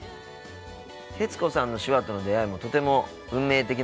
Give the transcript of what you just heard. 徹子さんの手話との出会いもとても運命的なものだったんだね。